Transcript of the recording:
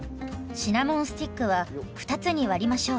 シナモンスティックは２つに割りましょう。